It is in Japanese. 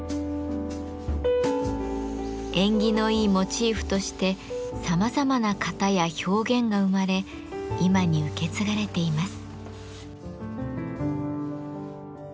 縁起のいいモチーフとしてさまざまな型や表現が生まれ今に受け継がれています。